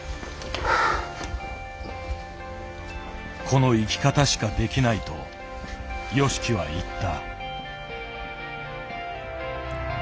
「この生き方しかできない」とＹＯＳＨＩＫＩは言った。